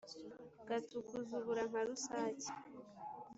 gatukuze ubura nka rusake